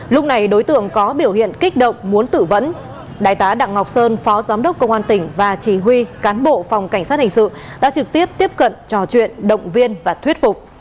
lúc này đối tượng có biểu hiện kích động muốn tự vẫn đại tá đặng ngọc sơn phó giám đốc công an tỉnh và chỉ huy cán bộ phòng cảnh sát hình sự đã trực tiếp tiếp cận trò chuyện động viên và thuyết phục